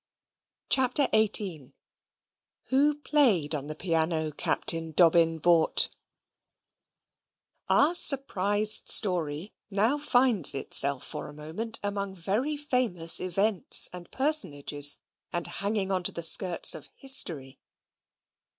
CHAPTER XVIII Who Played on the Piano Captain Dobbin Bought Our surprised story now finds itself for a moment among very famous events and personages, and hanging on to the skirts of history.